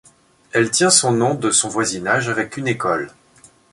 Elle tient son nom de son voisinage avec une école.